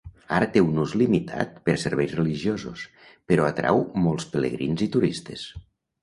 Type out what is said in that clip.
Ara té un ús limitat per a serveis religiosos, però atrau molts pelegrins i turistes.